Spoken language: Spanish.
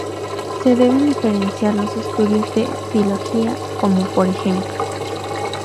Se deben diferenciar los estudios de filología, como por ej.